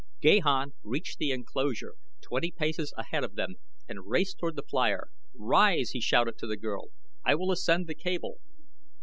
Gahan reached the enclosure twenty paces ahead of them and raced toward the flier. "Rise!" he shouted to the girl. "I will ascend the cable."